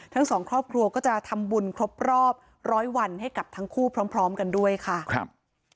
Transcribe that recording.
ทั้งสองครอบครัวก็จะทำบุญครบรอบร้อยวันให้กับทั้งคู่พร้อมกันด้วยค่ะครับ